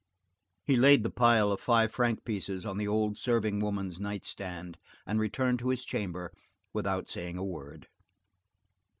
He laid the pile of five franc pieces on the old serving woman's nightstand, and returned to his chamber without saying a word.